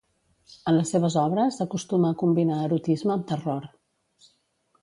En les seves obres acostuma a combinar erotisme amb terror.